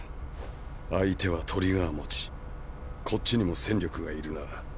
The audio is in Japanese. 相手はトリガー持ちこっちにも戦力がいるな。